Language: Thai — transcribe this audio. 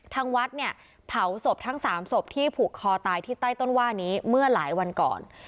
ทางวัดเนี่ยเผาศพทั้ง๓ศพที่ผูกคอตายที่ใต้ต้นว่านี้เมื่อหลายวันก่อน